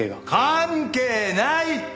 関係ないって！